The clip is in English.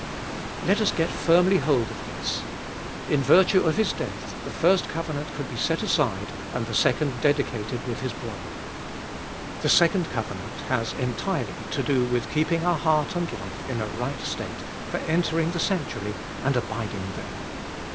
2. Let us get firmly hold of this : In virtue of His death the first covenant could be set aside and the second dedicated uiith His blood. The second covenant has entirely to do with keeping our heart and life In a right state for entering the sanctuary and abiding there.